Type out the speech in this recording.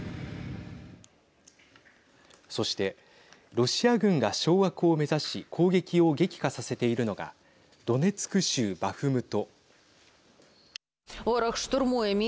そしてロシア軍が掌握を目指し攻撃を激化させているのがドネツク州バフムト。